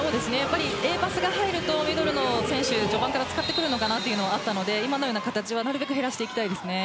Ａパスが入るとミドルの選手序盤から使ってくるのかなというのはあったので今のような形をなるべく減らしていきたいです。